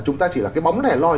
chúng ta chỉ là cái bóng lẻ loi